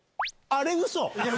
あれ、うそ？